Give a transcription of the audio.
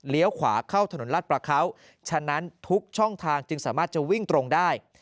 ขวาเข้าถนนรัฐประเขาฉะนั้นทุกช่องทางจึงสามารถจะวิ่งตรงได้